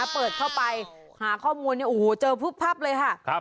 เปิดเข้าไปหาข้อมูลเนี่ยโอ้โหเจอพุบพับเลยค่ะ